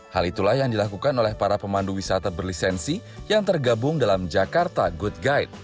hal itulah yang dilakukan oleh para pemandu wisata berlisensi yang tergabung dalam jakarta good guide